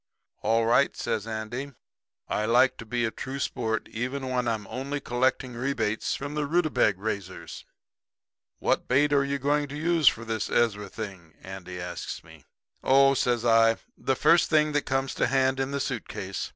"'All right,' says Andy. 'I like to be a true sport even when I'm only collecting rebates from the rutabag raisers. What bait are you going to use for this Ezra thing?' Andy asks me. "'Oh,' I says, 'the first thing that come to hand in the suit case.